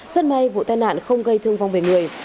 rất may vụ tai nạn không gây thương vong về người